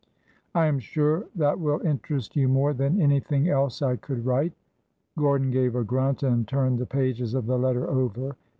I am sure that will interest you more than anything else I could write. [Gordon gave a grunt, and turned the pages of the letter over.